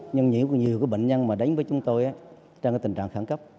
nhưng nhiều bệnh nhân mà đánh với chúng tôi trong tình trạng khẳng cấp